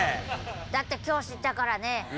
だって今日知ったからね。